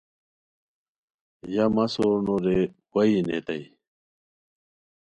یہ مہ سور نو رے وا یی نیتائے